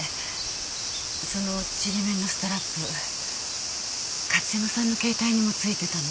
そのちりめんのストラップ加津山さんの携帯にも付いてたの。